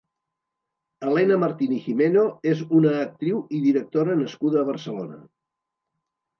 Elena Martín i Gimeno és una actriu i directora nascuda a Barcelona.